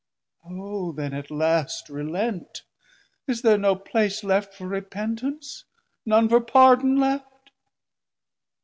O then at last relent: is there no place Left for Repentance, none for Pardon left?